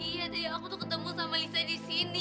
iya tadi aku tuh ketemu sama lisa disini